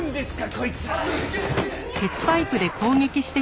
こいつら！